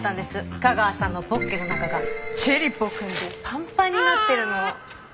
架川さんのポッケの中がちぇりポくんでパンパンになってるのを。